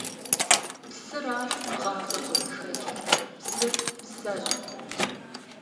Псыращ ГъащӀэр къызыхэкӀар. Псыр – псэщ!